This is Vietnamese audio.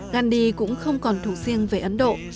gandhi cũng không còn thủ riêng về ấn độ